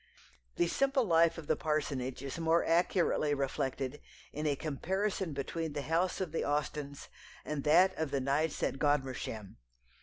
The simple life of the parsonage is more accurately reflected in a comparison between the house of the Austens and that of the Knights at Godmersham.